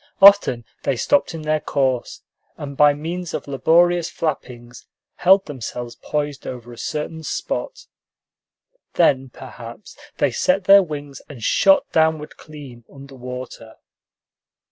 Often they stopped in their course, and by means of laborious flappings held themselves poised over a certain spot. Then, perhaps, they set their wings and shot downward clean under water.